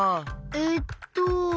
えっと。